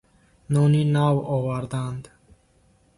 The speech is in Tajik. Нони нав оварданд.